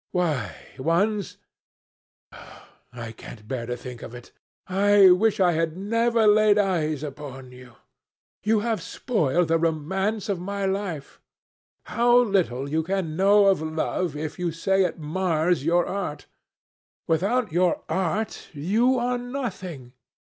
Why, once ... Oh, I can't bear to think of it! I wish I had never laid eyes upon you! You have spoiled the romance of my life. How little you can know of love, if you say it mars your art! Without your art, you are nothing.